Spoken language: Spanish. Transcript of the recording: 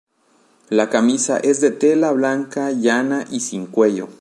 La camisa es de tela blanca, llana y sin cuello.